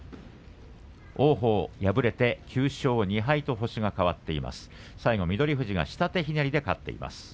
王鵬敗れて９勝２敗と星が変わっています。